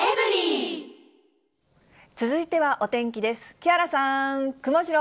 続いてはお天気です。